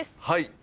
はい。